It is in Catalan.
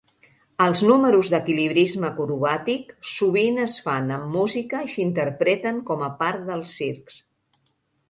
Els números d'equilibrisme acrobàtic sovint es fan amb música i s'interpreten com a part dels circs.